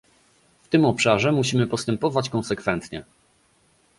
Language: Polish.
W tym obszarze musimy postępować konsekwentnie